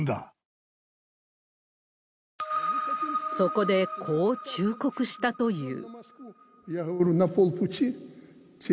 そこで、こう忠告したという。